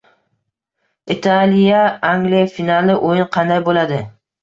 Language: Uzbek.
Italiya - Angliya finali. O‘yin qanday bo‘ladi?